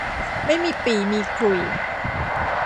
ไม่มีปี่มีขลุ่ย